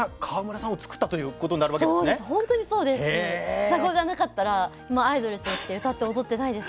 よさこいがなかったら今アイドルとして歌って踊ってないです。